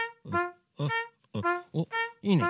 おっいいね！